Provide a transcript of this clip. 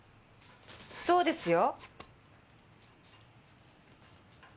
そうですよ。